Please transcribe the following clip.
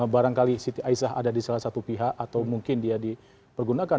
barangkali siti aisyah ada di salah satu pihak atau mungkin dia dipergunakan